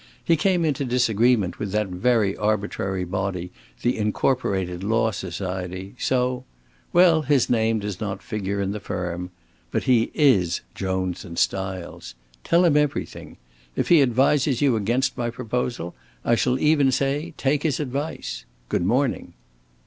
He came into disagreement with that very arbitrary body the Incorporated Law Society, so, well his name does not figure in the firm. But he is Jones and Stiles. Tell him everything! If he advises you against my proposal, I shall even say take his advice. Good morning."